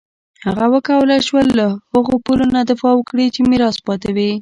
هغه وکولای شول له هغو پولو نه دفاع وکړي چې میراث پاتې وې.